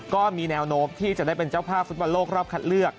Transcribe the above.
ก็มีแนวโน้มที่จะได้เป็นเจ้าภาพฟุตบอลโลกรอบคัดเลือก